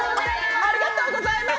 ありがとうございます。